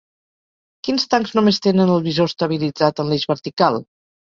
Quins tancs només tenen el visor estabilitzat en l'eix vertical?